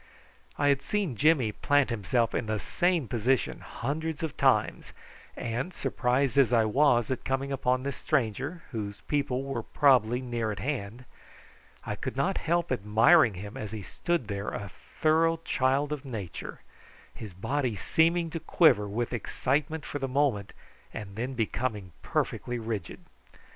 I had seen Jimmy plant himself in the same position hundreds of times, and, surprised as I was at coming upon this stranger, whose people were probably near at hand, I could not help admiring him as he stood there a thorough child of nature, his body seeming to quiver with excitement for the moment and then becoming perfectly rigid.